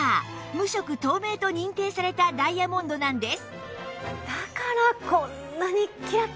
無色透明と認定されたダイヤモンドなんです